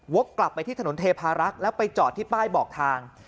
กลับไปที่ถนนเทพารักษ์แล้วไปจอดที่ป้ายบอกทาง